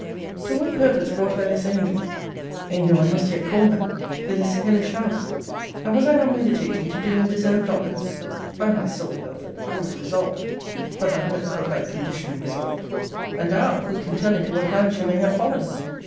To what purpose brought I this angel (angel I must yet call her) to this hellish house? And was I not meditating to do her deserved honour? By my soul, Belford, I was resolved but thou knowest what I had conditionally resolved And now, who can tell into what hands she may have fallen!